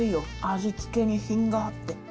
味付けに品があって。